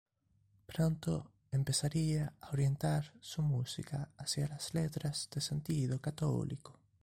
Pronto empezaría a orientar su música hacia las letras de sentido católico.